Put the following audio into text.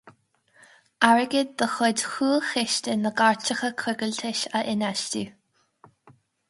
Airgead de chuid Chúlchiste na gCairteacha Coigiltis a infheistiú.